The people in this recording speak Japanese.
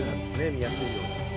見やすいように。